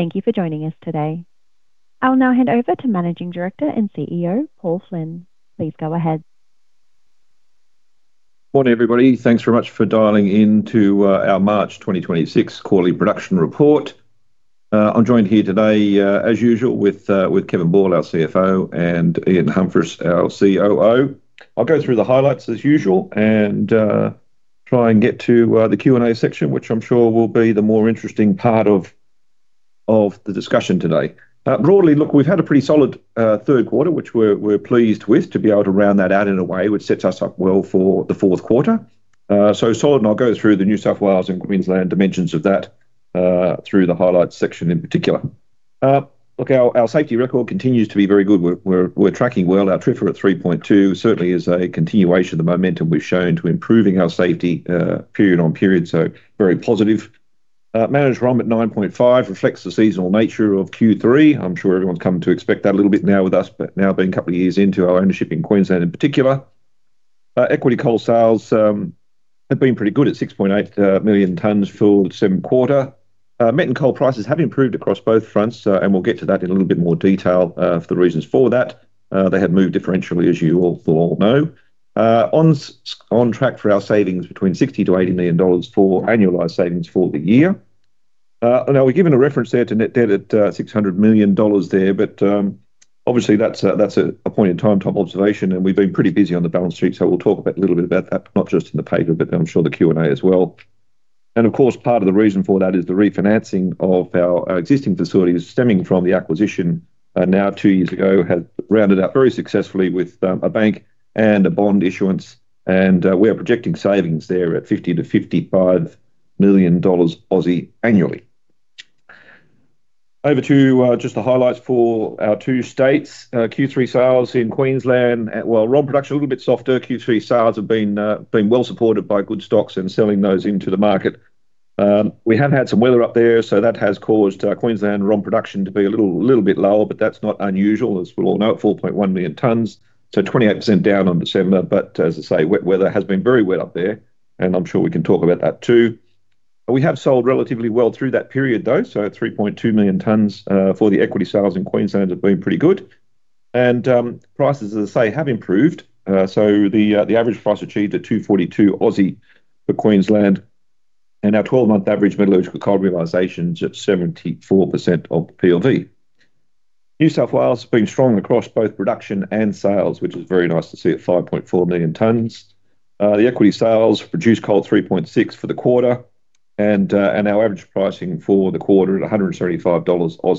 Thank you for joining us today. I'll now hand over to Managing Director and CEO, Paul Flynn. Please go ahead. Morning, everybody. Thanks very much for dialing in to our March 2026 Quarterly Production Report. I'm joined here today, as usual with Kevin Ball, our CFO, and Ian Humphris, our COO. I'll go through the highlights as usual, and try and get to the Q&A section, which I'm sure will be the more interesting part of the discussion today. Broadly, look, we've had a pretty solid third quarter, which we're pleased with to be able to round that out in a way which sets us up well for the fourth quarter. Solid, and I'll go through the New South Wales and Queensland dimensions of that through the highlights section in particular. Look, our safety record continues to be very good. We're tracking well. Our TRIFR at 3.2 million tons certainly is a continuation of the momentum we've shown to improving our safety, period on period, so very positive. Managed ROM at 9.5 million tons reflects the seasonal nature of Q3. I'm sure everyone's come to expect that a little bit now with us, but now being a couple of years into our ownership in Queensland in particular. Export coal sales have been pretty good at 6.8 million tons for the second quarter. Met coal prices have improved across both fronts, and we'll get to that in a little bit more detail, for the reasons for that. They have moved differentially as you all will know. On track for our savings between 60 million-80 million dollars for annualized savings for the year. Now we've given a reference there to net debt at 600 million dollars, but obviously that's a point in time type observation, and we've been pretty busy on the balance sheet, so we'll talk a bit, a little bit about that, not just in the paper, but I'm sure the Q&A as well. Of course, part of the reason for that is the refinancing of our existing facilities stemming from the acquisition now two years ago has rounded out very successfully with a bank and a bond issuance, and we are projecting savings there at 50 million-55 million dollars annually. Over to just the highlights for our two states. Q3 sales in Queensland, well, ROM production a little bit softer. Q3 sales have been well supported by good stocks and selling those into the market. We have had some weather up there, so that has caused Queensland ROM production to be a little bit lower, but that's not unusual, as we all know, at 4.1 million tons, so 28% down on December. Wet weather has been very wet up there, and I'm sure we can talk about that too. We have sold relatively well through that period though, so at 3.2 million tons for the equity sales in Queensland have been pretty good. Prices, as I say, have improved. The average price achieved at 242 for Queensland. Our twelve-month average metallurgical coal realization is at 74% of PLV. New South Wales has been strong across both production and sales, which is very nice to see at 5.4 million tons. The equity sales for produced coal at 3.6 million tons for the quarter, and our average pricing for the quarter at 175 dollars, or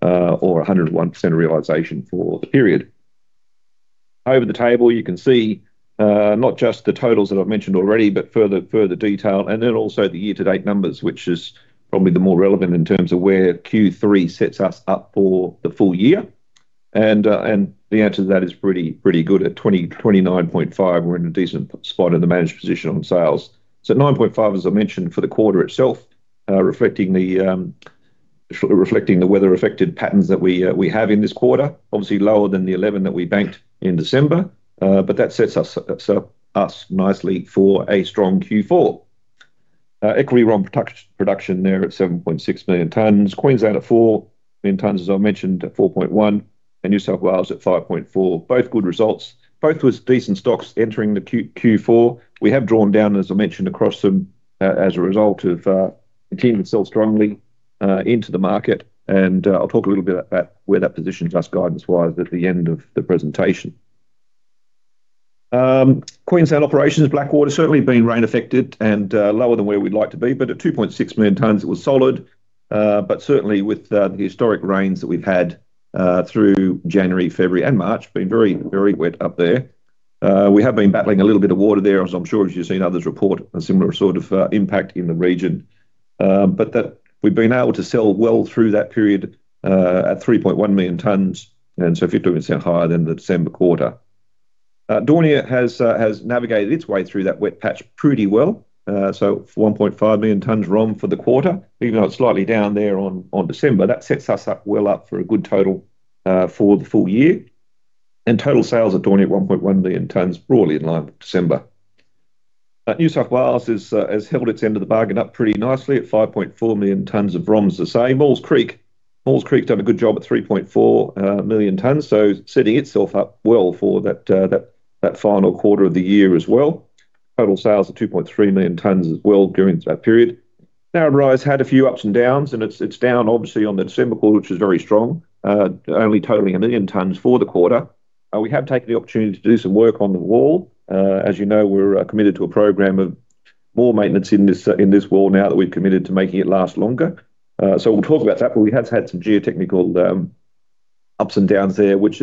101% realization for the period. Over the table, you can see not just the totals that I've mentioned already, but further detail and then also the year-to-date numbers, which is probably the more relevant in terms of where Q3 sets us up for the full year. The answer to that is pretty good. At 29.5 million tons, we're in a decent spot in the managed position on sales. At 9.5 million tons, as I mentioned, for the quarter itself, reflecting the weather-affected patterns that we have in this quarter, obviously lower than the 11 million tons that we banked in December, but that sets us nicely for a strong Q4. Equity ROM production there at 7.6 million tons. Queensland at 4 million tons, as I mentioned, at 4.1 million tons, and New South Wales at 5.4 million tons. Both good results. Both with decent stocks entering the Q4. We have drawn down, as I mentioned, across them, as a result of continuing to sell strongly into the market, and I'll talk a little bit about where that positions us guidance-wise at the end of the presentation. Queensland operations. Blackwater certainly has been rain-affected and lower than where we'd like to be, but at 2.6 million tons it was solid. Certainly, with the historic rains that we've had through January, February and March, it has been very, very wet up there. We have been battling a little bit of water there, as I'm sure you've seen others report a similar sort of impact in the region. That we've been able to sell well through that period at 3.1 million tons, and so 50% higher than the December quarter. Daunia has navigated its way through that wet patch pretty well. For 1.5 million tons ROM for the quarter, even though it's slightly down there on December, that sets us up well up for a good total for the full year. Total sales at Daunia at 1.1 million tons, broadly in line with December. New South Wales has held its end of the bargain up pretty nicely at 5.4 million tons of ROMs the same. Maules Creek done a good job at 3.4 million tons, so setting itself up well for that final quarter of the year as well. Total sales at 2.3 million tons as well during that period. Narrabri has had a few ups and downs, and it's down obviously on the December quarter, which was very strong, only totaling 1 million tons for the quarter. We have taken the opportunity to do some work on the wall. As you know, we're committed to a program of more maintenance in this wall now that we've committed to making it last longer. We'll talk about that, but we have had some geotechnical ups and downs there, which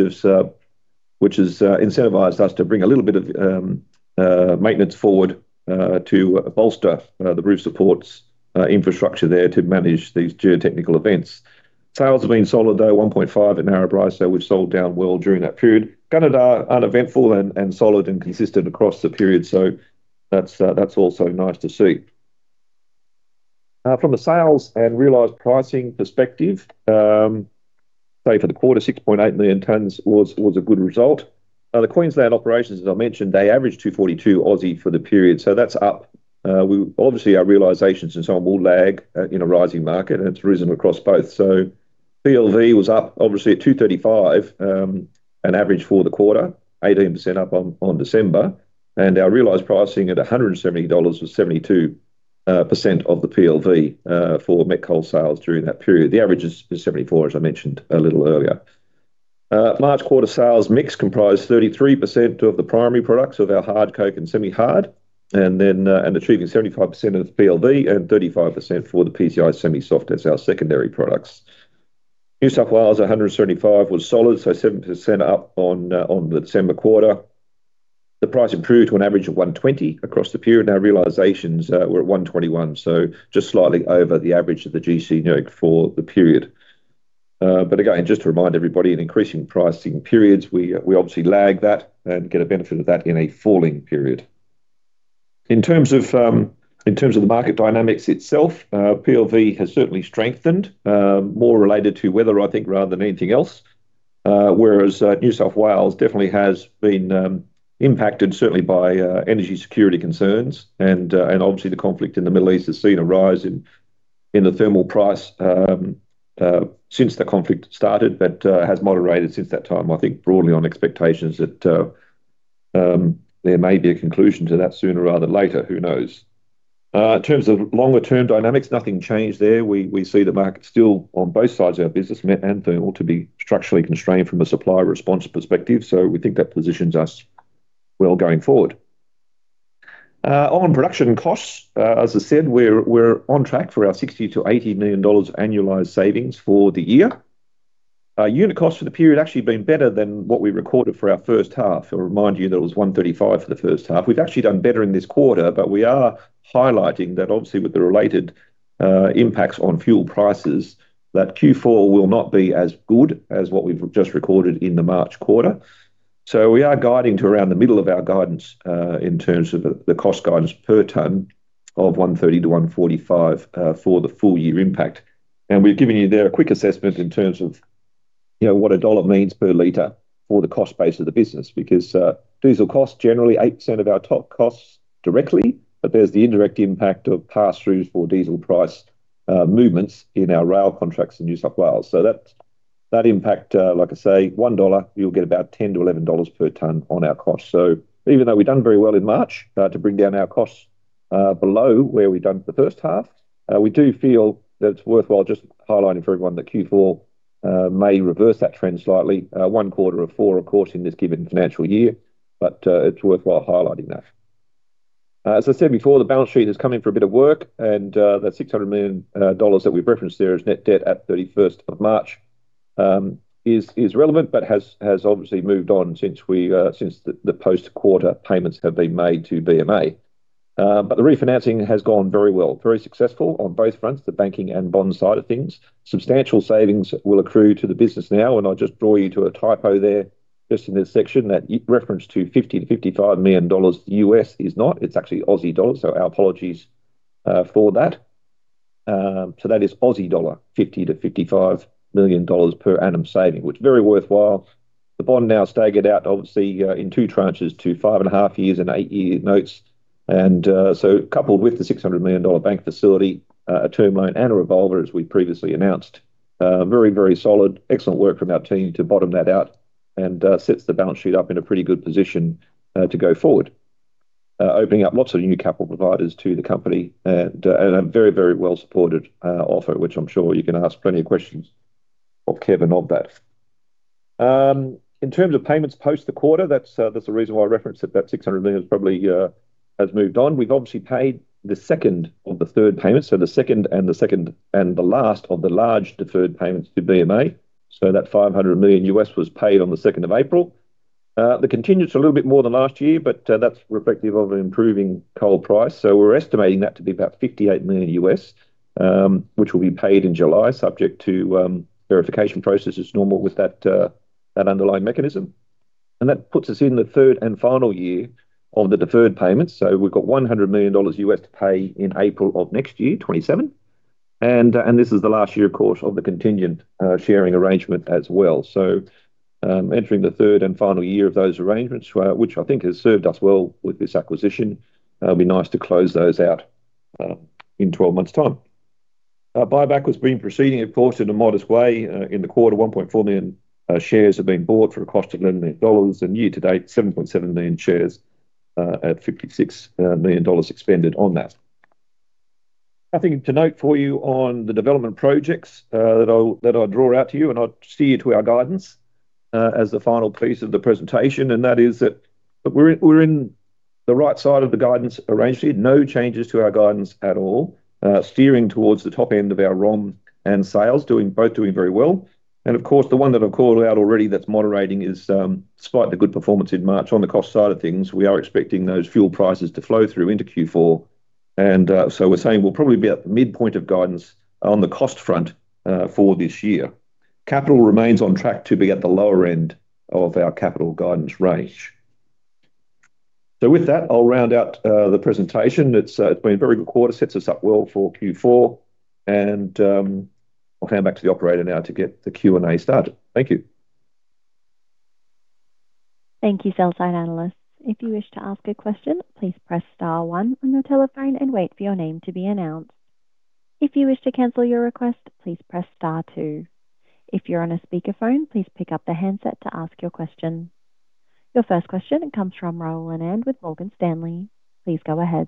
has incentivized us to bring a little bit of maintenance forward to bolster the roof supports infrastructure there to manage these geotechnical events. Sales have been solid though, 1.5 million tons at Narrabri, so we've sold down well during that period. Gunnedah uneventful and solid and consistent across the period. That's also nice to see. From a sales and realized pricing perspective, say for the quarter, 6.8 million tons was a good result. The Queensland operations, as I mentioned, they averaged 242 for the period. That's up. We obviously our realizations and so on will lag in a rising market, and it's risen across both. PLV was up obviously at 235 an average for the quarter, 18% up on December, and our realized pricing at 170 dollars was 72% of the PLV for met coal sales during that period. The average is 74%, as I mentioned a little earlier. March quarter sales mix comprised 33% of the primary products of our hard coking and semi-hard, and then achieving 75% of its PLV and 35% for the PCI semi-soft. That's our secondary products. New South Wales, 175 was solid, so 7% up on the December quarter. The price improved to an average of $120 across the period, and our realizations were at $121, so just slightly over the average of the GC NEWC for the period. But again, just to remind everybody, in increasing pricing periods, we obviously lag that and get a benefit of that in a falling period. In terms of the market dynamics itself, PLV has certainly strengthened, more related to weather rather than anything else. Whereas New South Wales definitely has been impacted certainly by energy security concerns and, obviously the conflict in the Middle East has seen a rise in the thermal price since the conflict started, but has moderated since that time. broadly on expectations that there may be a conclusion to that sooner rather than later. Who knows? In terms of longer-term dynamics, nothing changed there. We see the market still on both sides of our business, met and thermal, to be structurally constrained from a supply response perspective. We think that positions us well going forward. On production costs, as I said, we're on track for our 60 million-80 million dollars annualized savings for the year. Our unit cost for the period actually been better than what we recorded for our first half. I'll remind you that it was 135 for the first half. We've actually done better in this quarter, but we are highlighting that, obviously, with the related impacts on fuel prices, Q4 will not be as good as what we've just recorded in the March quarter. We are guiding to around the middle of our guidance in terms of the cost guidance per ton of 130-145 for the full year impact. We've given you there a quick assessment in terms of you know what AUD 1 means per liter for the cost base of the business because diesel costs generally 8% of our total costs directly. There's the indirect impact of passthroughs for diesel price movements in our rail contracts in New South Wales. That impact, like I say, 1 dollar, you'll get about 10-11 dollars per ton on our costs. Even though we've done very well in March to bring down our costs below where we've done for the first half, we do feel that it's worthwhile just highlighting for everyone that Q4 may reverse that trend slightly. Quarter four, of course, in this given financial year, it's worthwhile highlighting that. As I said before, the balance sheet has come in for a bit of work and that 600 million dollars that we've referenced there as net debt at 31st of March is relevant but has obviously moved on since the post-quarter payments have been made to BMA. The refinancing has gone very well. Very successful on both fronts, the banking and bond side of things. Substantial savings will accrue to the business now, and I'll just draw you to a typo there just in this section. That reference to $50 million-$55 million, US is not. It's actually Aussie dollars, so our apologies for that. So that is Aussie dollar, 50 million-55 million dollars per annum saving, which very worthwhile. The bond now staggered out obviously in two tranches to 5.5 years and eight-year notes. Coupled with the 600 million dollar bank facility, a term loan, and a revolver as we previously announced. Very, very solid, excellent work from our team to bottom that out and sets the balance sheet up in a pretty good position to go forward. Opening up lots of new capital providers to the company and a very, very well-supported offer, which I'm sure you can ask plenty of questions of Kevin of that. In terms of payments post the quarter, that's the reason why I referenced it. That 600 million probably has moved on. We've obviously paid the second of the three payments, the second and the last of the large deferred payments to BMA. That $500 million was paid on the 2nd April. The contingent's a little bit more than last year, but that's reflective of an improving coal price. We're estimating that to be about $58 million, which will be paid in July subject to verification processes normal with that underlying mechanism. That puts us in the third and final year of the deferred payments. We've got $100 million to pay in April of next year, 2027. This is the last year, of course, of the contingent sharing arrangement as well. Entering the third and final year of those arrangements, which I think has served us well with this acquisition, it'd be nice to close those out in 12 months' time. Our buyback has been proceeding, of course, in a modest way. In the quarter, 1.4 million shares have been bought for a cost of 11 million dollars. Year to date, 7.7 million shares at 56 million dollars expended on that. Nothing to note for you on the development projects that I'll draw out to you, and I'll steer you to our guidance as the final piece of the presentation. That is that we're in the right side of the guidance range here. No changes to our guidance at all. Steering towards the top end of our ROM and sales both doing very well. Of course, the one that I've called out already that's moderating is despite the good performance in March on the cost side of things. We are expecting those fuel prices to flow through into Q4. We're saying we'll probably be at the midpoint of guidance on the cost front for this year. Capital remains on track to be at the lower end of our capital guidance range. With that, I'll round out the presentation. It's been a very good quarter. Sets us up well for Q4. I'll hand back to the operator now to get the Q&A started. Thank you. Thank you, Sell-Side Analysts. If you wish to ask a question, please press star one on your telephone and wait for your name to be announced. If you wish to cancel your request, please press star two. If you're on a speaker phone, please pick up the handset to ask your question. Your first question comes from Rahul Anand with Morgan Stanley. Please go ahead.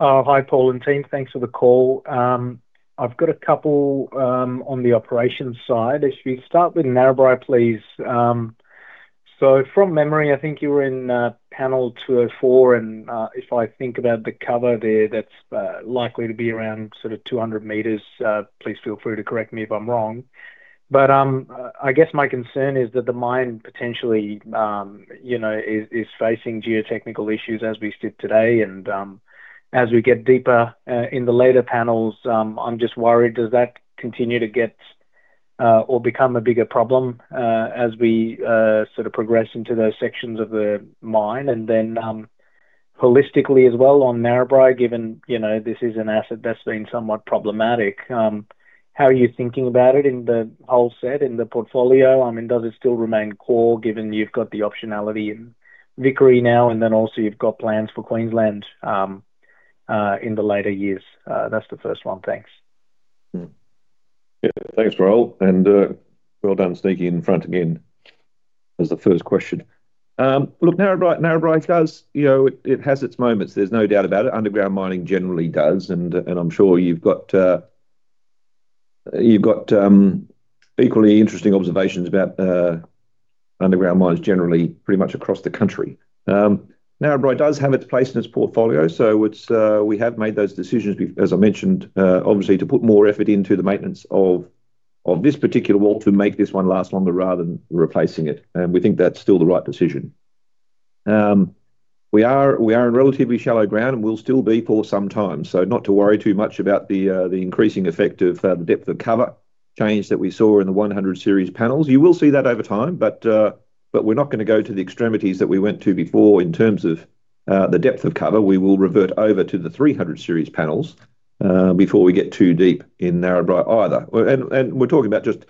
Oh, hi, Paul and team. Thanks for the call. I've got a couple on the operations side. If you start with Narrabri, please. From memory, you were in panel 204 and if I think about the cover there, that's likely to be around 200 meters. Please feel free to correct me if I'm wrong. My concern is that the mine potentially is facing geotechnical issues as we sit today. As we get deeper in the later panels, I'm just worried, does that continue to get or become a bigger problem as we sort of progress into those sections of the mine? Holistically as well on Narrabri, given this is an asset that's been somewhat problematic, how are you thinking about it in the whole set, in the portfolio? Does it still remain core given you've got the optionality in Vickery now, and then also you've got plans for Queensland, in the later years? That's the first one. Thanks. Thanks, Rahul. Well done sneaking in front again as the first question. Look, Narrabri does, it has its moments. There's no doubt about it. Underground mining generally does. I'm sure you've got equally interesting observations about underground mines generally, pretty much across the country. Narrabri does have its place in its portfolio. It's we have made those decisions as I mentioned, obviously, to put more effort into the maintenance of this particular wall to make this one last longer rather than replacing it. We think that's still the right decision. We are in relatively shallow ground, and we'll still be for some time. Not to worry too much about the increasing effect of the depth of cover change that we saw in the 100 series panels. You will see that over time, but we're not gonna go to the extremities that we went to before in terms of the depth of cover. We will revert over to the 300 series panels before we get too deep in Narrabri, either. We're talking about just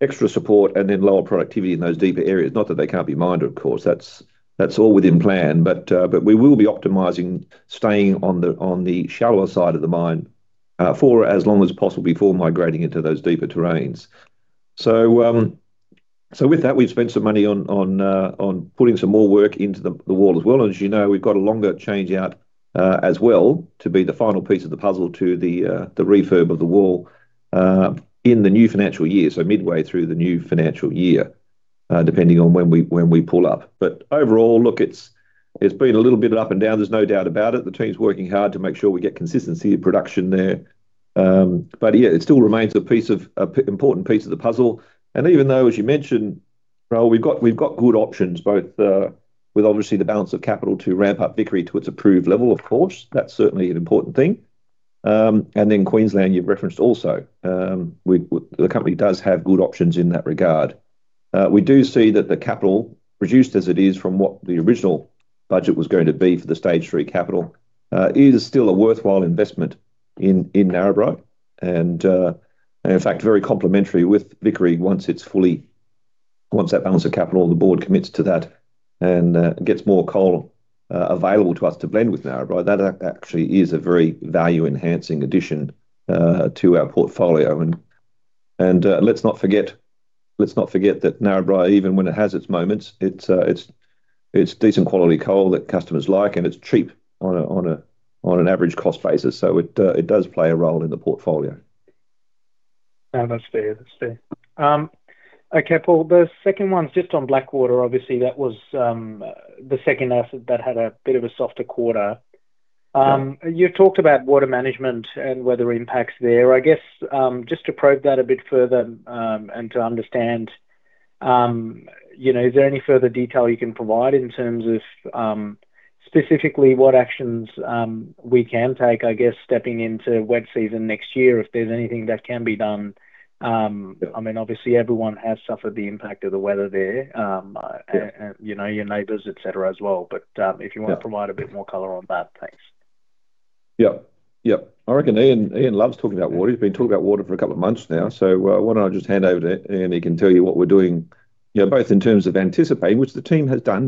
extra support and then lower productivity in those deeper areas. Not that they can't be mined, of course. That's all within plan. We will be optimizing staying on the shallower side of the mine for as long as possible before migrating into those deeper terrains. With that, we've spent some money on putting some more work into the longwall as well. As you know, we've got a longer changeout as well to be the final piece of the puzzle to the refurb of the longwall in the new financial year. Midway through the new financial year, depending on when we pull up. Overall, look, it's been a little bit up and down, there's no doubt about it. The team's working hard to make sure we get consistency of production there. But yeah, it still remains an important piece of the puzzle. Even though, as you mentioned, Rahul, we've got good options, both with obviously the balance of capital to ramp up Vickery to its approved level, of course. That's certainly an important thing. Queensland, you've referenced also. The company does have good options in that regard. We do see that the capital reduced as it is from what the original budget was going to be for the Stage 3 capital is still a worthwhile investment in Narrabri. In fact, very complementary with Vickery once that balance of capital, the Board commits to that and gets more coal available to us to blend with Narrabri. That actually is a very value-enhancing addition to our portfolio. Let's not forget that Narrabri, even when it has its moments, it's decent quality coal that customers like, and it's cheap on an average cost basis. It does play a role in the portfolio. No, that's fair. Okay, Paul, the second one's just on Blackwater. Obviously, that was the second asset that had a bit of a softer quarter. You talked about water management and weather impacts there. I guess, just to probe that a bit further, and to understand, is there any further detail you can provide in terms of, specifically, what actions we can take stepping into wet season next year, if there's anything that can be done? Obviously, everyone has suffered the impact of the weather there, and your neighbors et cetera as well. If you wanna provide a bit more color on that. Thanks. I reckon Ian loves talking about water. He's been talking about water for a couple of months now. Why don't I just hand over to Ian, and he can tell you what we're doing both in terms of anticipating, which the team has done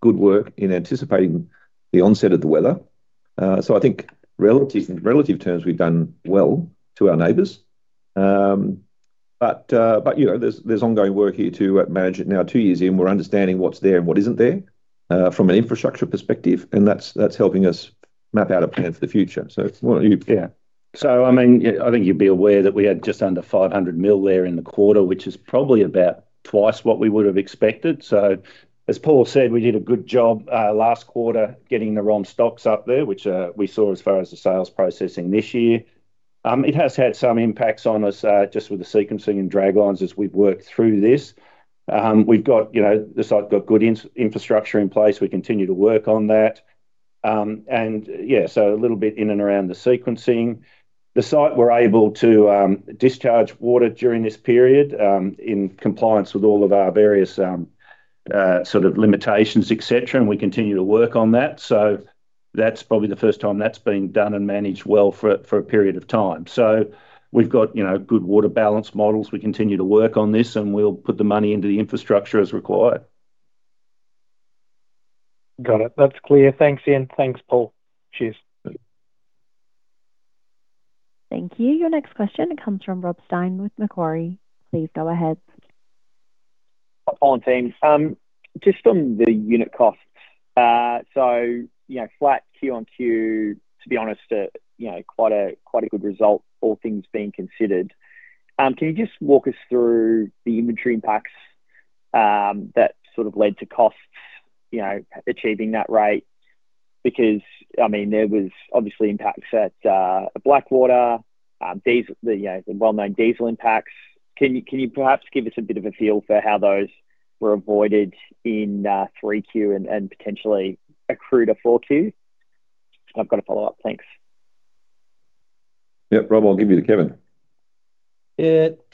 good work in anticipating the onset of the weather. I think in relative terms, we've done well to our neighbors. There's ongoing work here to manage it. Now two years in, we're understanding what's there and what isn't there from an infrastructure perspective, and that's helping us map out a plan for the future. I think you'd be aware that we had just under 500 million there in the quarter, which is probably about twice what we would have expected. As Paul said, we did a good job last quarter getting the ROM stocks up there, which we saw as far as the sales processing this year. It has had some impacts on us just with the sequencing and draglines as we've worked through this. We've got the site got good infrastructure in place. We continue to work on that. A little bit in and around the sequencing. The site we're able to discharge water during this period in compliance with all of our various sort of limitations, et cetera, and we continue to work on that. That's probably the first time that's been done and managed well for a period of time. We've got good water balance models. We continue to work on this, and we'll put the money into the infrastructure as required. Got it. That's clear. Thanks, Ian. Thanks, Paul. Cheers. Thank you. Your next question comes from Rob Stein with Macquarie. Please go ahead. Hi, Paul and team. Just on the unit costs. Flat QoQ, to be honest, quite a good result, all things being considered. Can you just walk us through the inventory impacts that sort of led to costs achieving that rate? Because there was obviously impacts at Blackwater. Diesel, the well-known diesel impacts. Can you perhaps give us a bit of a feel for how those were avoided in 3Q and potentially accrue to 4Q? I've got a follow-up. Thanks. Rob, I'll give you to Kevin.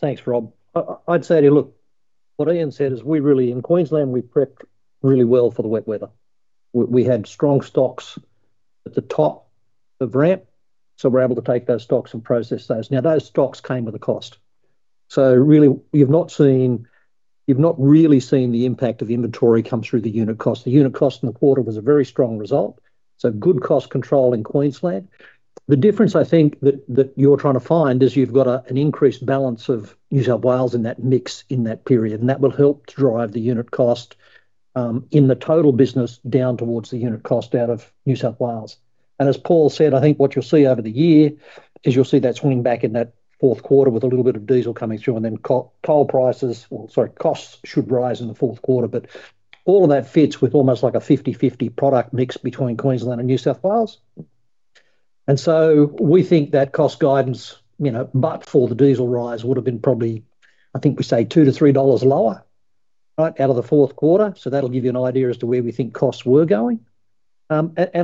Thanks, Rob. I'd say to you, look, what Ian said is, in Queensland, we prepped really well for the wet weather. We had strong stocks at the top of ramp, so we're able to take those stocks and process those. Now, those stocks came with a cost. Really, you've not really seen the impact of the inventory come through the unit cost. The unit cost in the quarter was a very strong result, good cost control in Queensland. The difference I think that you're trying to find is you've got an increased balance of New South Wales in that mix in that period, and that will help to drive the unit cost in the total business down towards the unit cost out of New South Wales. As Paul said, I think what you'll see over the year is you'll see that swinging back in that fourth quarter with a little bit of diesel coming through and then coal prices, or sorry, costs should rise in the fourth quarter. But all of that fits with almost like a 50/50 product mix between Queensland and New South Wales. We think that cost guidance but for the diesel rise, would've been probably, I think, we say 2-3 dollars lower, right, out of the fourth quarter. That'll give you an idea as to where we think costs were going. I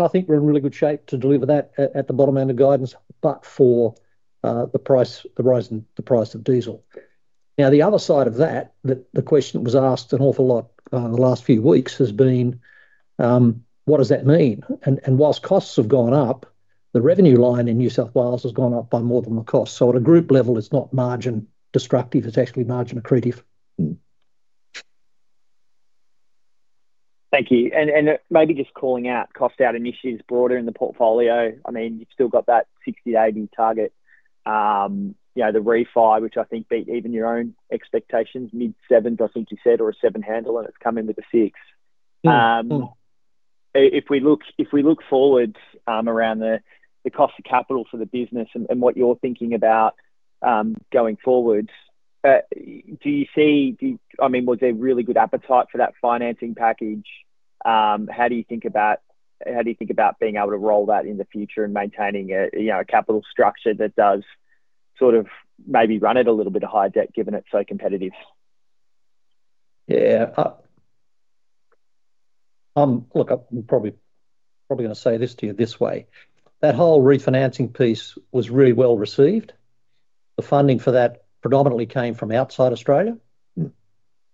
think we're in really good shape to deliver that at the bottom end of guidance, but for the rise in the price of diesel. Now, the other side of that, the question that was asked an awful lot in the last few weeks has been, what does that mean? While costs have gone up, the revenue line in New South Wales has gone up by more than the cost. At a group level, it's not margin-destructive, it's actually margin-accretive. Thank you. Maybe just calling out cost-out initiatives broader in the portfolio. I mean, you've still got that 60-80 target. The refi which I think beat even your own expectations, mid-7s% I think you said or a 7% handle, and it's come in with a 6%. If we look forward around the cost of capital for the business and what you're thinking about going forward, do you see? Was there really good appetite for that financing package? How do you think about being able to roll that in the future and maintaining a capital structure that does maybe run at a little bit of high debt given it's so competitive? Look, I'm probably gonna say this to you this way. That whole refinancing piece was really well received. The funding for that predominantly came from outside Australia.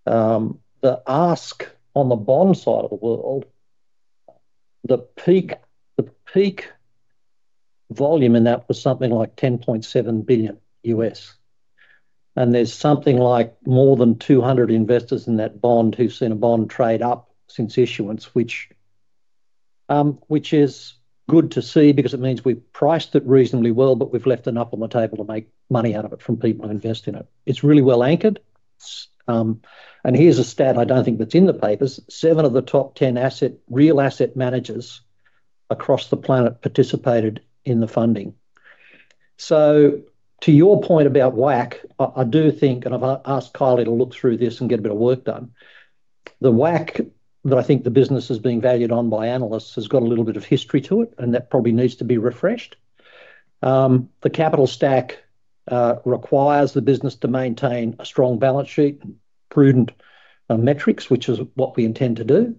The ask on the bond side of the world, the peak volume in that was something like $10.7 billion. There's something like more than 200 investors in that bond who've seen a bond trade up since issuance, which is good to see because it means we've priced it reasonably well, but we've left enough on the table to make money out of it from people who invest in it. It's really well anchored. Here's a stat I don't think that's in the papers. Seven of the top 10 real asset managers across the planet participated in the funding. To your point about WACC, I do think, and I've asked Kylie to look through this and get a bit of work done. The WACC that I think the business is being valued on by analysts has got a little bit of history to it, and that probably needs to be refreshed. The capital stack requires the business to maintain a strong balance sheet and prudent metrics, which is what we intend to do.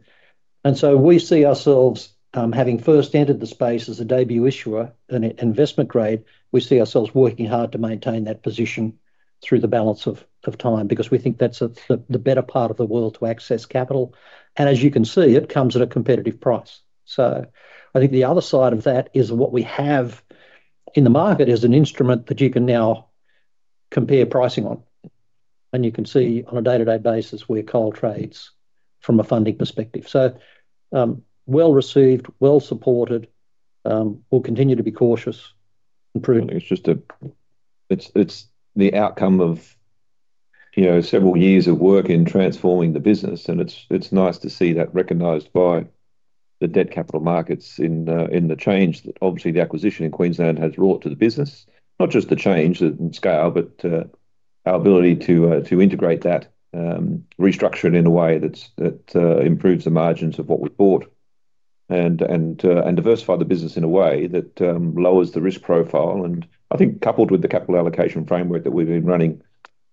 We see ourselves having first entered the space as a debut issuer and at investment grade, we see ourselves working hard to maintain that position through the balance of time because we think that's the better part of the world to access capital. As you can see, it comes at a competitive price. I think the other side of that is what we have in the market is an instrument that you can now compare pricing on, and you can see on a day-to-day basis where coal trades from a funding perspective. Well received, well supported, we'll continue to be cautious and prudent. It's the outcome of several years of work in transforming the business, and it's nice to see that recognized by the debt capital markets in the change that obviously the acquisition in Queensland has brought to the business. Not just the change, the scale, but our ability to integrate that, restructure it in a way that improves the margins of what we bought and diversify the business in a way that lowers the risk profile. I think coupled with the capital allocation framework that we've been running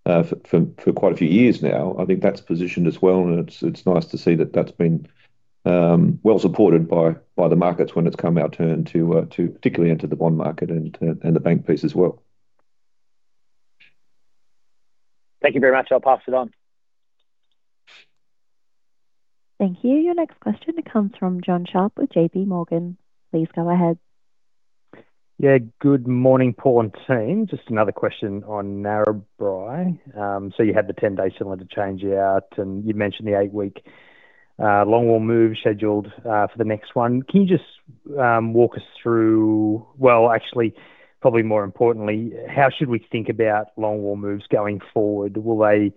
for quite a few years now. I think that's positioned as well, and it's nice to see that that's been well supported by the markets when it's come our turn to particularly enter the bond market and the bank piece as well. Thank you very much. I'll pass it on. Thank you. Your next question comes from John Sharp with JPMorgan. Please go ahead. Good morning, Paul and team. Just another question on Narrabri. So you had the 10-day cylinder changeout, and you'd mentioned the eight-week longwall move scheduled for the next one. Well, actually, probably more importantly, how should we think about longwall moves going forward? Will they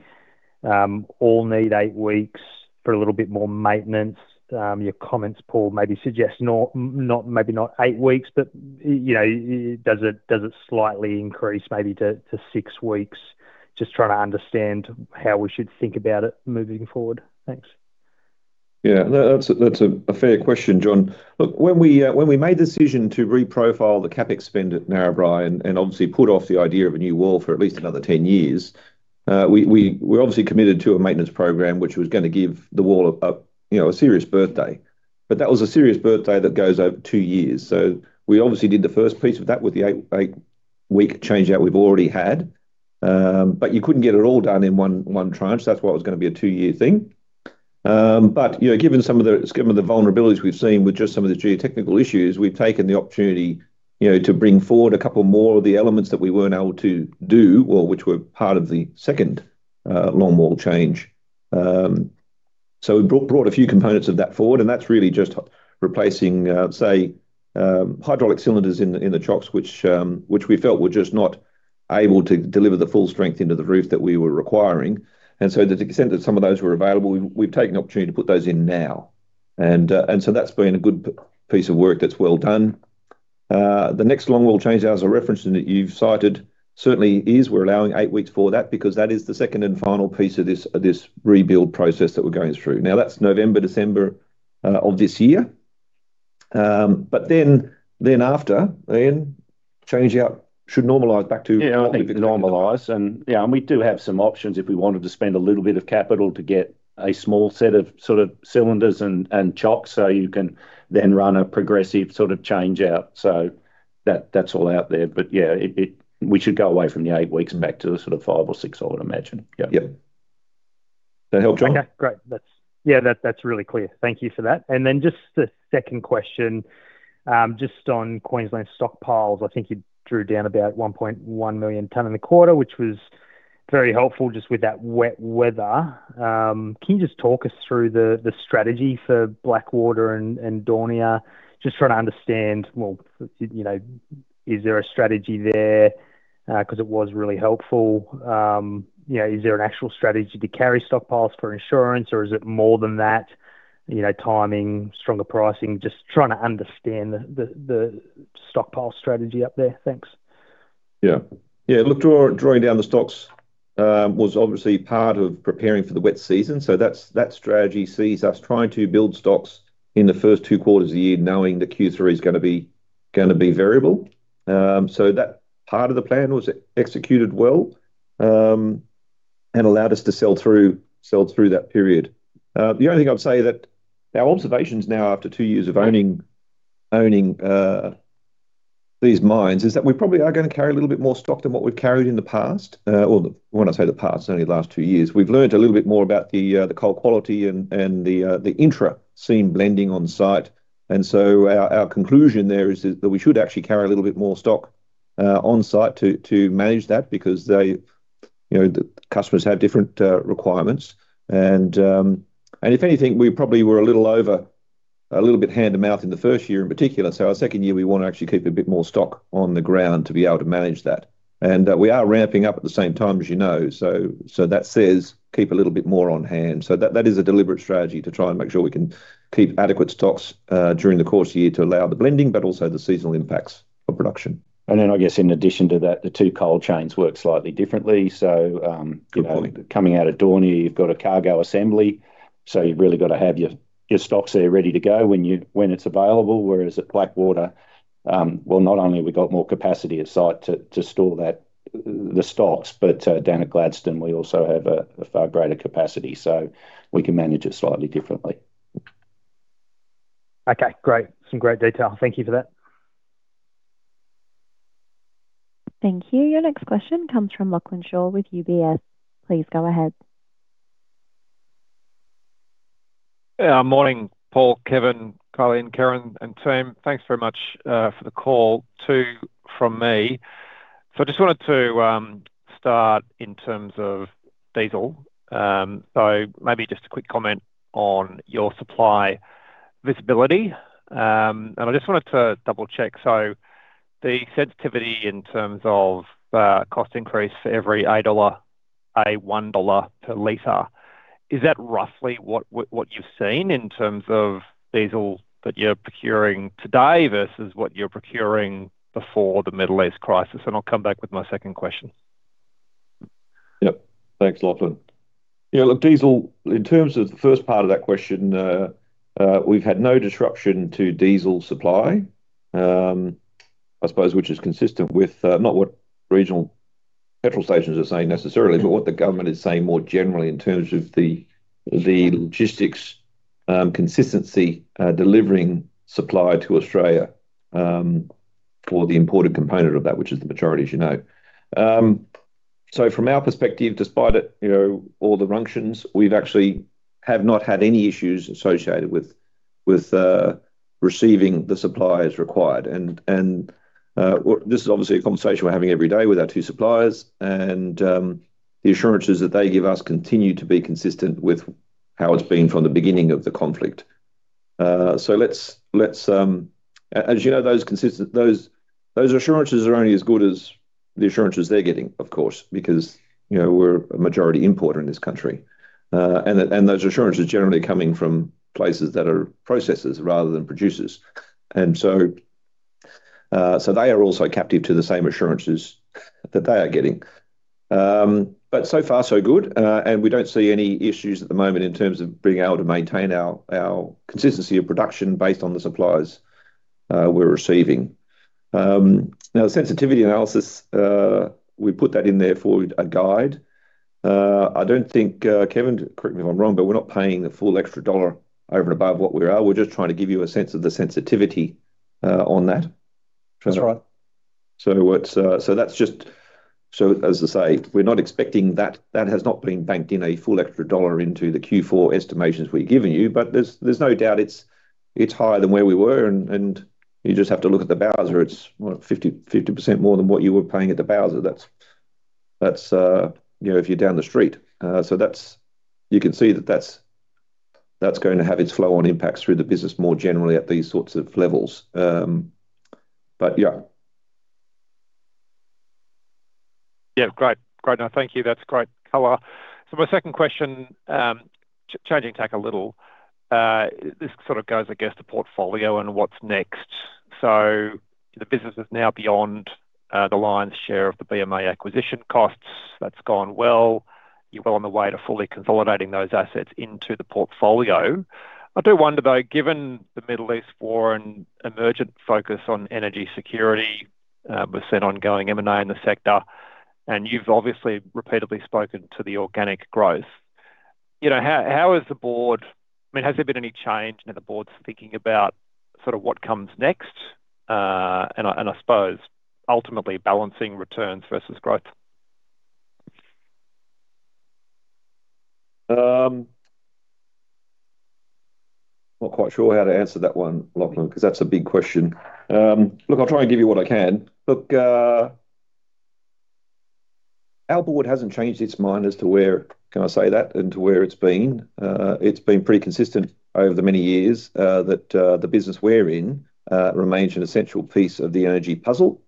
all need eight weeks for a little bit more maintenance? Your comments, Paul, maybe suggest maybe not eight weeks, does it slightly increase maybe to six weeks? Just trying to understand how we should think about it moving forward. Thanks. That's a fair question, John. Look, when we made the decision to reprofile the CapEx spend at Narrabri and obviously put off the idea of a new wall for at least another 10 years, we obviously committed to a maintenance program which was gonna give the wall a serious birthday. That was a serious birthday that goes over two years. We obviously did the first piece of that with the eight-week changeout we've already had. You couldn't get it all done in one tranche. That's why it was gonna be a two-year thing. Given the vulnerabilities we've seen with just some of the geotechnical issues, we've taken the opportunity to bring forward a couple more of the elements that we weren't able to do or which were part of the second longwall change. We brought a few components of that forward, and that's really just replacing hydraulic cylinders in the chocks, which we felt were just not able to deliver the full strength into the roof that we were requiring. That's been a good piece of work that's well done. The next longwall change, as I referenced and that you've cited, certainly is we're allowing eight weeks for that because that is the second and final piece of this rebuild process that we're going through. Now, that's November, December, of this year. But then after, changeout should normalize back to Normalize and we do have some options if we wanted to spend a little bit of capital to get a small set of cylinders and chocks, you can then run a progressive changeout. That's all out there. It we should go away from the eight weeks back to the five or six, I would imagine. That help, John? Great. That's really clear. Thank you for that. Just a second question, just on Queensland stockpiles. You drew down about 1.1 million tons in the quarter, which was very helpful just with that wet weather. Can you just talk us through the strategy for Blackwater and Daunia? Just trying to understand, is there a strategy there? 'Cause it was really helpful. Is there an actual strategy to carry stockpiles for insurance, or is it more than that? Timing, stronger pricing. Just trying to understand the stockpile strategy up there. Thanks. Look, drawing down the stocks was obviously part of preparing for the wet season. That's that strategy sees us trying to build stocks in the first two quarters of the year, knowing that Q3 is gonna be variable. That part of the plan was executed well and allowed us to sell through that period. The only thing I'd say that our observations now after two years of owning these mines is that we probably are gonna carry a little bit more stock than what we've carried in the past. Or when I say the past, only the last two years. We've learned a little bit more about the coal quality and the intra-seam blending on site. Our conclusion there is that we should actually carry a little bit more stock on site to manage that because they, the customers have different requirements. If anything, we probably were a little over, a little bit hand-to-mouth in the first year in particular. Our second year, we wanna actually keep a bit more stock on the ground to be able to manage that. We are ramping up at the same time, as you know, that says keep a little bit more on hand. That is a deliberate strategy to try, and make sure we can keep adequate stocks during the course of the year to allow the blending, but also the seasonal impacts of production. In addition to that, the two coal chains work slightly differently. Coming out of Daunia, you've got a cargo assembly, so you've really gotta have your stocks there ready to go when it's available. Whereas at Blackwater, not only have we got more capacity at site to store that, the stocks, but down at Gladstone, we also have a far greater capacity, so we can manage it slightly differently. Okay, great. Some great detail. Thank you for that. Thank you. Your next question comes from Lachlan Shaw with UBS. Please go ahead. Morning, Paul, Kevin, Colleen, Kieran, and team. Thanks very much for the call, too, from me. I just wanted to start in terms of diesel. Maybe just a quick comment on your supply visibility. I just wanted to double-check. The sensitivity in terms of cost increase for every 1 dollar per liter, is that roughly what you've seen in terms of diesel that you're procuring today versus what you were procuring before the Middle East crisis? I'll come back with my second question. Thanks, Lachlan. Look, diesel, in terms of the first part of that question, we've had no disruption to diesel supply. I suppose, which is consistent with not what regional petrol stations are saying necessarily, but what the government is saying more generally in terms of the logistics, consistency delivering supply to Australia, for the imported component of that, which is the majority as you know. From our perspective, despite it all the functions, we've actually have not had any issues associated with receiving the supplies required. This is obviously a conversation we're having every day with our two suppliers, and the assurances that they give us continue to be consistent with how it's been from the beginning of the conflict. As you know, those assurances are only as good as the assurances they're getting, of course, because we're a majority importer in this country. Those assurances are generally coming from places that are processors rather than producers. They are also captive to the same assurances that they are getting. So far so good. We don't see any issues at the moment in terms of being able to maintain our consistency of production based on the supplies we're receiving. Now the sensitivity analysis we put that in there for a guide. I don't think, Kevin, correct me if I'm wrong, but we're not paying the full extra AUD 1 over and above what we are. We're just trying to give you a sense of the sensitivity on that. We're not expecting that. That has not been banked in a full extra AUD 1 into the Q4 estimations we're giving you. There's no doubt it's higher than where we were and you just have to look at the bowser. It's what, 50% more than what you were paying at the bowser. That's if you're down the street. You can see that that's going to have its flow on impacts through the business more generally at these sorts of levels. Great. No, thank you. That's great color. My second question, changing tack a little. This sort of goes, I guess, to portfolio and what's next. The business is now beyond the lion's share of the BMA acquisition costs. That's gone well. You're well on the way to fully consolidating those assets into the portfolio. I do wonder, though, given the Middle East war and emergent focus on energy security, with said ongoing M&A in the sector, and you've obviously repeatedly spoken to the organic growth. How is the Board. Has there been any change in the Board's thinking about what comes next, and I suppose ultimately balancing returns versus growth? I'm not quite sure how to answer that one, Lachlan, 'cause that's a big question. Look, I'll try and give you what I can. Look, our Board hasn't changed its mind as to where it's been. It's been pretty consistent over the many years that the business we're in remains an essential piece of the energy puzzle.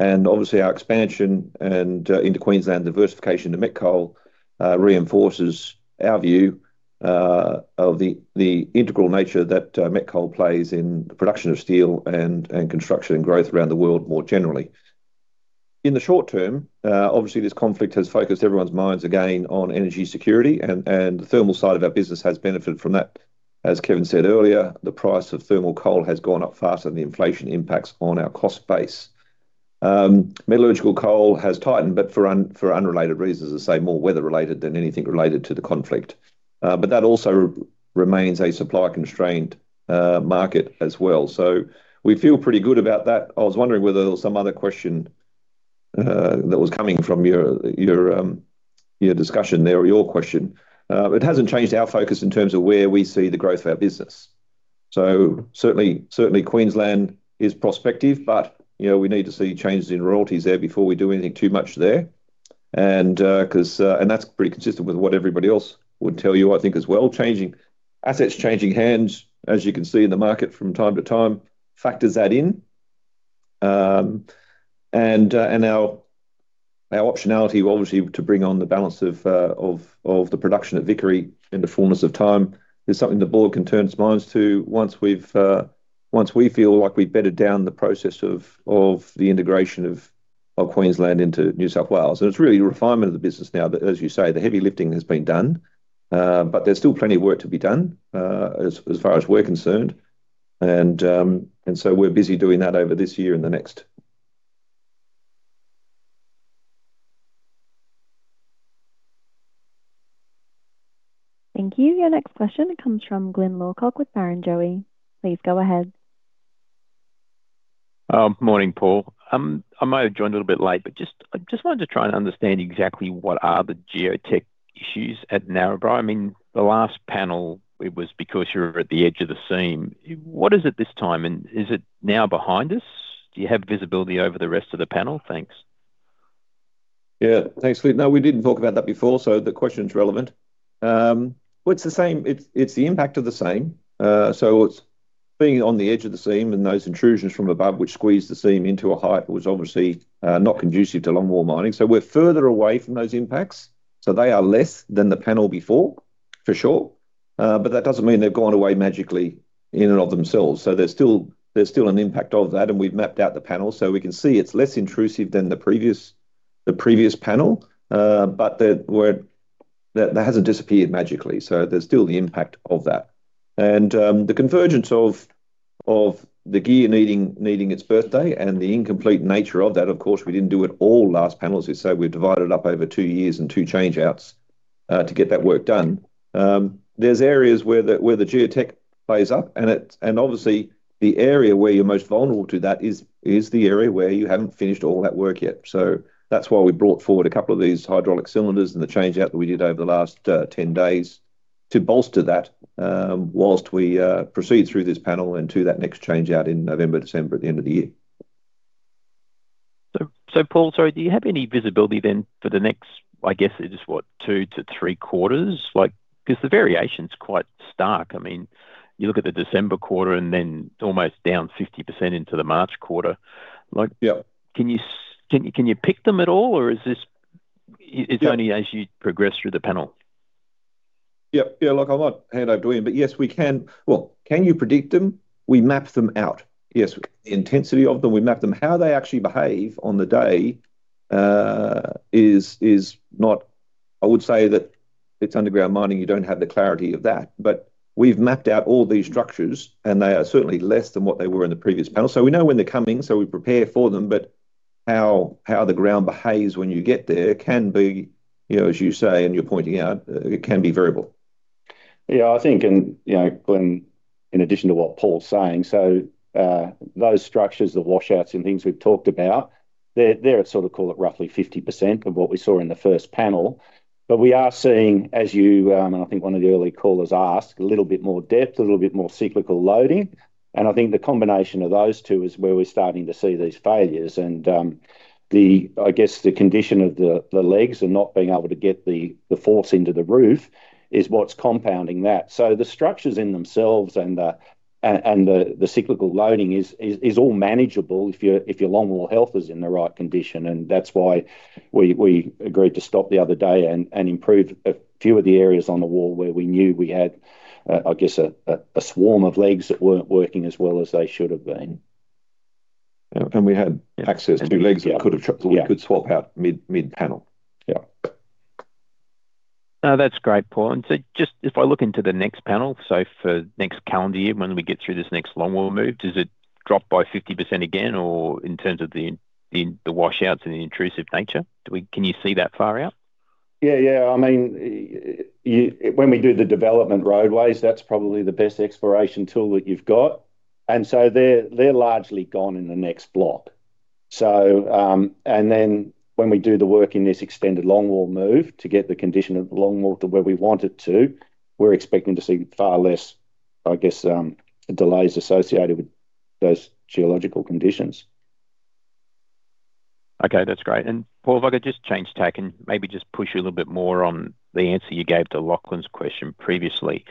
Obviously, our expansion and into Queensland diversification to met coal reinforces our view of the integral nature that met coal plays in the production of steel and construction and growth around the world more generally. In the short term, obviously, this conflict has focused everyone's minds again on energy security and the thermal side of our business has benefited from that. As Kevin said earlier, the price of thermal coal has gone up faster than the inflation impacts on our cost base. Metallurgical coal has tightened, but for unrelated reasons. Let's say more weather-related than anything related to the conflict. That also remains a supply constraint market as well. We feel pretty good about that. I was wondering whether there was some other question that was coming from your discussion there, or your question. It hasn't changed our focus in terms of where we see the growth of our business. Certainly, Queensland is prospective, we need to see changes in royalties there before we do anything too much there. 'Cause that's pretty consistent with what everybody else would tell you as well. Changing assets, changing hands, as you can see in the market from time to time, factors that in. Our optionality obviously, to bring on the balance of the production at Vickery in the fullness of time is something the Board can turn its minds to once we feel like we've bedded down the process of the integration of Queensland into New South Wales. It's really refinement of the business now. As you say, the heavy lifting has been done, but there's still plenty of work to be done, as far as we're concerned. We're busy doing that over this year and the next. Thank you. Your next question comes from Glyn Lawcock with Barrenjoey. Please go ahead. Morning, Paul. I might have joined a little bit late, but I just wanted to try and understand exactly what are the geotech issues at Narrabri. The last panel, it was because you were at the edge of the seam. What is it this time, and is it now behind us? Do you have visibility over the rest of the panel? Thanks. Thanks, Glyn. No, we didn't talk about that before, so the question is relevant. Well, it's the same. It's the impact of the same. It's being on the edge of the seam and those intrusions from above which squeeze the seam into a height was obviously not conducive to longwall mining. We're further away from those impacts. They are less than the panel before, for sure. But that doesn't mean they've gone away magically in and of themselves. There's still an impact of that, and we've mapped out the panel, so we can see it's less intrusive than the previous panel. But that hasn't disappeared magically, so there's still the impact of that. The convergence of the gear needing its birthday and the incomplete nature of that. Of course, we didn't do it all last panel, as you say. We divided it up over two years and two changeouts to get that work done. There's areas where the geotech plays up, and obviously the area where you're most vulnerable to that is the area where you haven't finished all that work yet. That's why we brought forward a couple of these hydraulic cylinders and the changeout that we did over the last 10 days to bolster that, whilst we proceed through this panel and do that next changeout in November, December at the end of the year. Paul, sorry, do you have any visibility then for the next, it is what, two to three quarters? Like, 'cause the variation's quite stark. You look at the December quarter and then almost down 50% into the March quarter. Can you pick them at all or is this? It's only as you progress through the panel? I'm not hand-holding, but yes, we can. Well, can you predict them? We map them out. Yes. The intensity of them, we map them. How they actually behave on the day is not. I would say that it's underground mining. You don't have the clarity of that. We've mapped out all these structures and they are certainly less than what they were in the previous panel. We know when they're coming, so we prepare for them. How the ground behaves when you get there can be as you say and you're pointing out, it can be variable. I think in addition to what Paul's saying, those structures, the washouts and things we've talked about, they're at roughly 50% of what we saw in the first panel. We are seeing, as you and I think one of the early callers asked, a little bit more depth, a little bit more cyclical loading. I think the combination of those two is where we're starting to see these failures. I guess the condition of the legs and not being able to get the force into the roof is what's compounding that. The structures in themselves and the cyclical loading is all manageable if your longwall health is in the right condition. That's why we agreed to stop the other day and improve a few of the areas on the wall where we knew we had a swarm of legs that weren't working as well as they should have been. We had access to legs that we could swap out mid-panel. No, that's great, Paul. Just if I look into the next panel, so for next calendar year, when we get through this next longwall move, does it drop by 50% again or in terms of the washouts and the intrusive nature? Can you see that far out? When we do the development roadways, that's probably the best exploration tool that you've got. They're largely gone in the next block. Then when we do the work in this extended longwall move to get the condition of the longwall to where we want it to, we're expecting to see far less delays associated with those geological conditions. Okay, that's great. Paul, if I could just change tack and maybe just push you a little bit more on the answer you gave to Lachlan's question previously.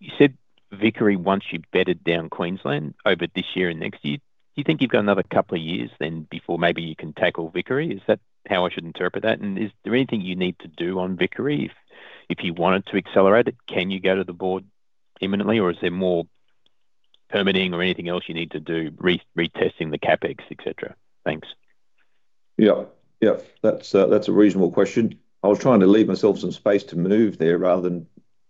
You said Vickery, once you've bedded down Queensland over this year and next year, do you think you've got another couple of years then before maybe you can tackle Vickery? Is that how I should interpret that? Is there anything you need to do on Vickery if you wanted to accelerate it? Can you go to the Board imminently or is there more permitting or anything else you need to do re-testing the CapEx, et cetera? Thanks. That's a reasonable question. I was trying to leave myself some space to move there rather than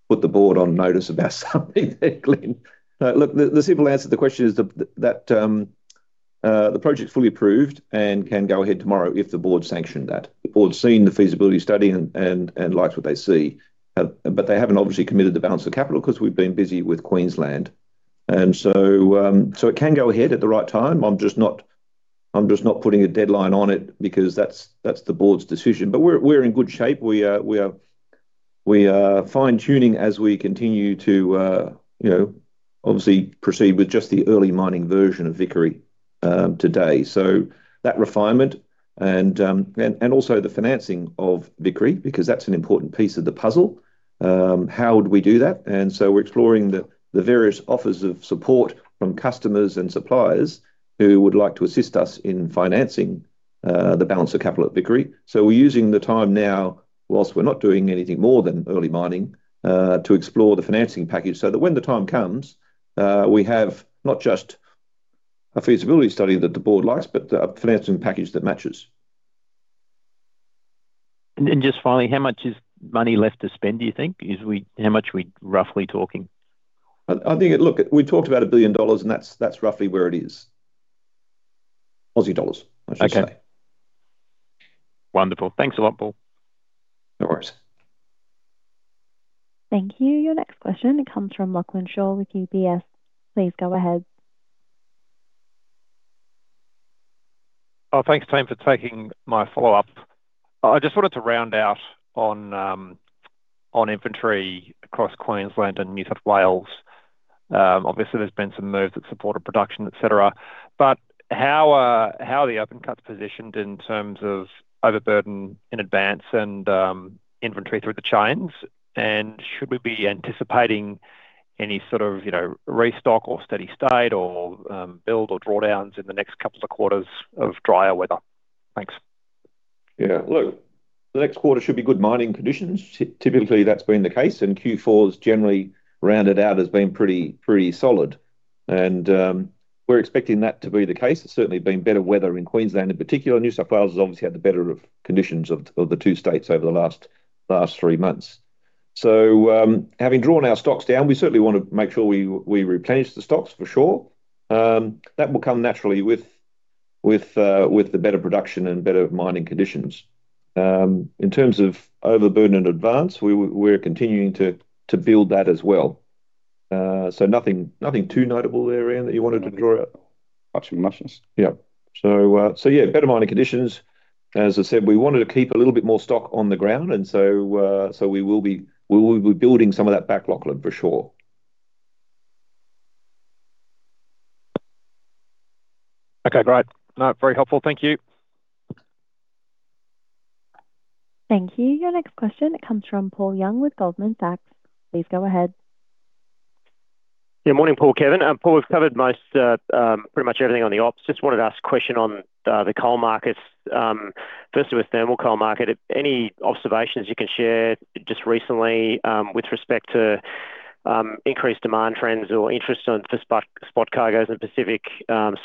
put the Board on notice about something there, Glyn. No, look, the simple answer to the question is that the project's fully approved and can go ahead tomorrow if the Board sanction that. The Board's seen the feasibility study and likes what they see, but they haven't obviously committed the balance of capital 'cause we've been busy with Queensland. It can go ahead at the right time. I'm just not putting a deadline on it because that's the board's decision. We're in good shape. We are fine-tuning as we continue to obviously, proceed with just the early mining version of Vickery today. That refinement and also the financing of Vickery, because that's an important piece of the puzzle. How would we do that? We're exploring the various offers of support from customers and suppliers who would like to assist us in financing the balance of capital at Vickery. We're using the time now, whilst we're not doing anything more than early mining, to explore the financing package so that when the time comes, we have not just a feasibility study that the Board likes, but a financing package that matches. Just finally, how much money is left to spend, do you think? How much are we roughly talking? I think it. Look, we've talked about 1 billion dollars, and that's roughly where it is. Aussie dollars, I should say. Okay. Wonderful. Thanks a lot, Paul. No worries. Thank you. Your next question comes from Lachlan Shaw with UBS. Please go ahead. Thanks team for taking my follow-up. I just wanted to round out on inventory across Queensland and New South Wales. Obviously, there's been some moves that supported production, et cetera. How are the open cuts positioned in terms of overburden in advance and inventory through the chains? Should we be anticipating any restock or steady state or build or drawdowns in the next couple of quarters of drier weather? Thanks. Look, the next quarter should be good mining conditions. Typically, that's been the case, and Q4's generally rounded out as being pretty solid. We're expecting that to be the case. It's certainly been better weather in Queensland in particular. New South Wales has obviously had the better of conditions of the two states over the last three months. Having drawn our stocks down, we certainly wanna make sure we replenish the stocks for sure. That will come naturally with the better production and better mining conditions. In terms of overburden in advance, we're continuing to build that as well. Nothing too notable there, Ian, that you wanted to draw out? Actually, nothing. Better mining conditions. As I said, we wanted to keep a little bit more stock on the ground and so we will be building some of that backlog level for sure. Okay, great. No, very helpful. Thank you. Thank you. Your next question comes from Paul Young with Goldman Sachs. Please go ahead. Morning Paul, Kevin. Paul, we've covered most, pretty much everything on the ops. Just wanted to ask a question on the coal markets. Firstly with thermal coal market, any observations you can share just recently, with respect to increased demand trends or interest on for spot cargos in Pacific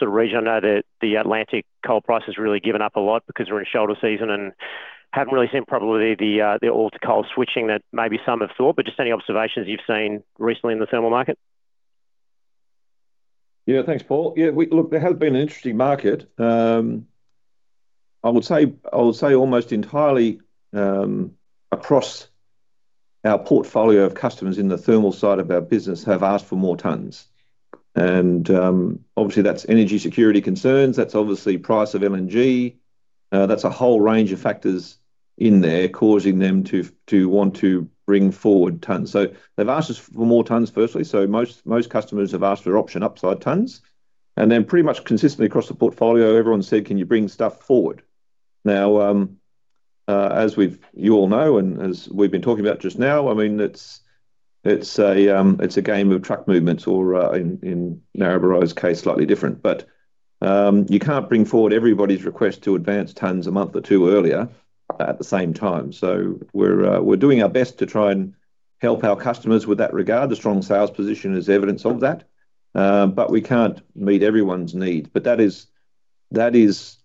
region. I know that the Atlantic coal price has really given up a lot because we're in shoulder season and haven't really seen probably the oil-to-coal switching that maybe some have thought. Just any observations you've seen recently in the thermal market? YThanks, Paul. Look, there has been an interesting market. I would say almost entirely across our portfolio of customers in the thermal side of our business have asked for more tonnes. Obviously, that's energy security concerns, that's obviously price of LNG. That's a whole range of factors in there causing them to want to bring forward tonnes. They've asked us for more tonnes firstly. Most customers have asked for option upside tonnes. Then pretty much consistently across the portfolio, everyone said, "Can you bring stuff forward?" Now, as you all know and as we've been talking about just now, I mean, it's a game of truck movements or, in Narrabri's case, slightly different. You can't bring forward everybody's request to advance tons a month or two earlier at the same time. We're doing our best to try and help our customers in that regard. The strong sales position is evidence of that. We can't meet everyone's needs. That is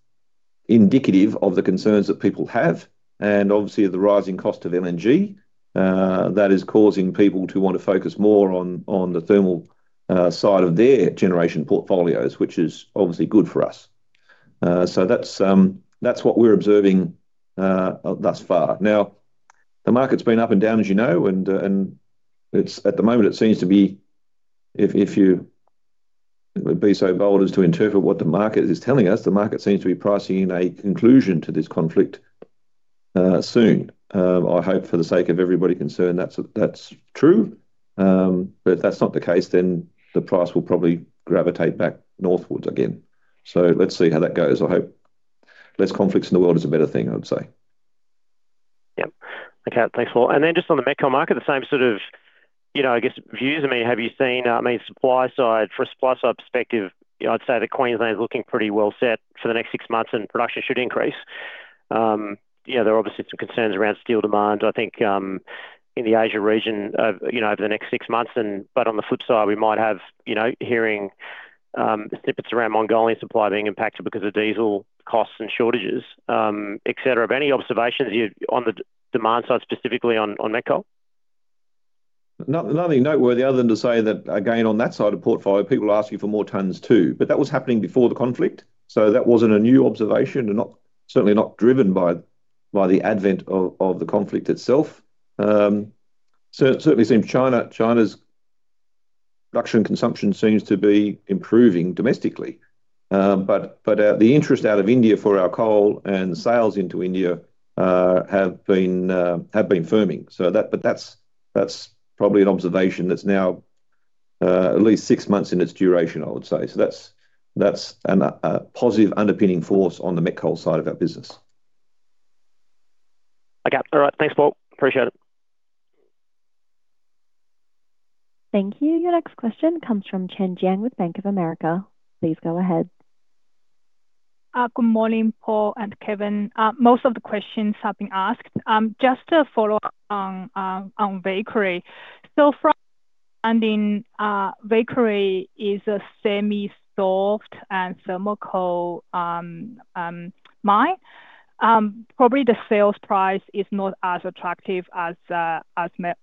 indicative of the concerns that people have and obviously the rising cost of LNG that is causing people to want to focus more on the thermal side of their generation portfolios, which is obviously good for us. That's what we're observing thus far. Now, the market's been up and down, as you know, and it's, at the moment, it seems to be, if you would be so bold as to interpret what the market is telling us, the market seems to be pricing in a conclusion to this conflict, soon. I hope for the sake of everybody concerned, that's true. If that's not the case, then the price will probably gravitate back northwards again. Let's see how that goes. I hope less conflicts in the world is a better thing, I would say. Thanks, Paul. Just on the met coal market, the same views. Have you seen supply side perspective, I'd say that Queensland is looking pretty well set for the next six months, and production should increase. There are obviously some concerns around steel demand in the Asia region over the next six months. On the flip side, we might have hearing snippets around Mongolian supply being impacted because of diesel costs and shortages, et cetera. Any observations you on the demand side, specifically on met coal? Nothing noteworthy other than to say that again, on that side of portfolio, people are asking for more tonnes too. That was happening before the conflict, so that wasn't a new observation and certainly not driven by the advent of the conflict itself. Certainly, China's production and consumption seems to be improving domestically. The interest out of India for our coal and sales into India have been firming. That's probably an observation that's now at least six months in its duration, I would say. That's a positive underpinning force on the met coal side of our business. Okay. All right. Thanks, Paul. Appreciate it. Thank you. Your next question comes from Chen Jiang with Bank of America. Please go ahead. Good morning, Paul and Kevin. Most of the questions have been asked. Just a follow-up on Vickery. From understanding, Vickery is a semi-soft and thermal coal mine. Probably the sales price is not as attractive as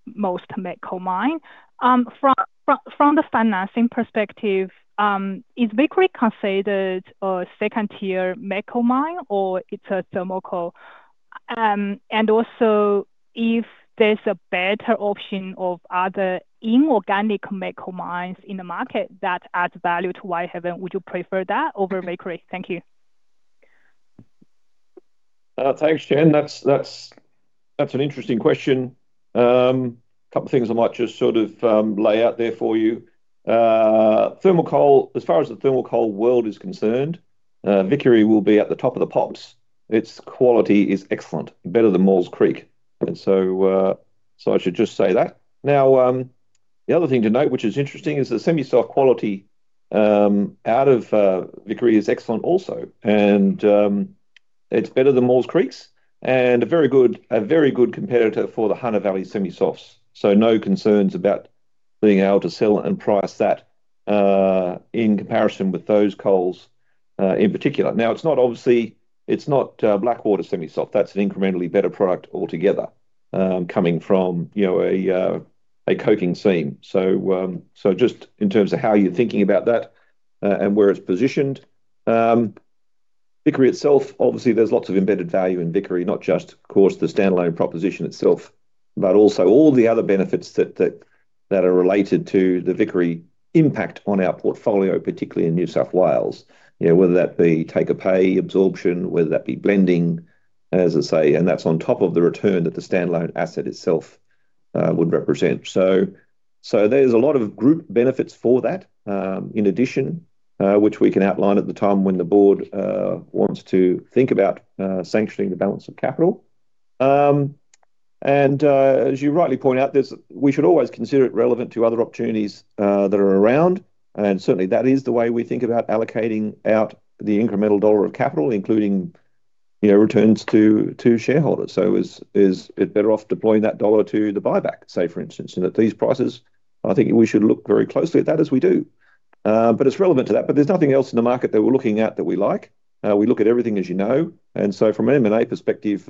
most met coal mine. From the financing perspective, is Vickery considered a second-tier met coal mine or it's a thermal coal? And also if there's a better option of other inorganic met coal mines in the market that adds value to Whitehaven, would you prefer that over Vickery? Thank you. Thanks, Chen. That's an interesting question. A couple of things I might just sort of lay out there for you. Thermal coal, as far as the thermal coal world is concerned, Vickery will be at the top of the pops. Its quality is excellent, better than Maules Creek. I should just say that. The other thing to note, which is interesting, is the semi-soft quality out of Vickery is excellent also. It's better than Maules Creek's and a very good competitor for the Hunter Valley semi-softs. No concerns about being able to sell and price that in comparison with those coals, in particular. Now, it's not, obviously, Blackwater semi-soft. That's an incrementally better product altogether, coming from, y a coking seam. Just in terms of how you're thinking about that, and where it's positioned. Vickery itself, obviously, there's lots of embedded value in Vickery, not just of course, the standalone proposition itself, but also all the other benefits that are related to the Vickery impact on our portfolio, particularly in New South Wales. Whether that be take-or-pay absorption, whether that be blending, as I say, and that's on top of the return that the standalone asset itself would represent. There's a lot of group benefits for that. In addition, which we can outline at the time when the Board wants to think about sanctioning the balance of capital. As you rightly point out, we should always consider it relevant to other opportunities that are around. Certainly, that is the way we think about allocating out the incremental dollar of capital, including returns to shareholders. Is it better off deploying that dollar to the buyback, say, for instance? At these prices, we should look very closely at that as we do. It's relevant to that. There's nothing else in the market that we're looking at that we like. We look at everything as you know. From an M&A perspective,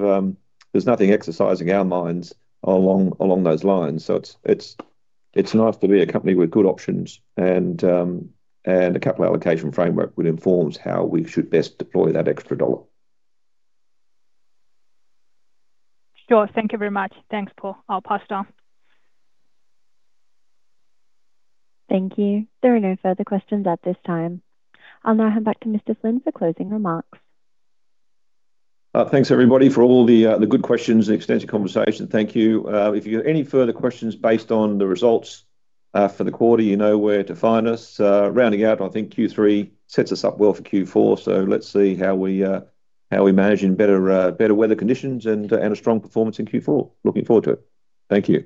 there's nothing exercising our minds along those lines. It's nice to be a company with good options and a capital allocation framework which informs how we should best deploy that extra dollar. Sure. Thank you very much. Thanks, Paul. I'll pass it on. Thank you. There are no further questions at this time. I'll now hand back to Mr. Flynn for closing remarks. Thanks, everybody for all the good questions and extensive conversation. Thank you. If you have any further questions based on the results for the quarter, you know where to find us. Rounding out, Q3 sets us up well for Q4. Let's see how we manage in better weather conditions and a strong performance in Q4. Looking forward to it. Thank you.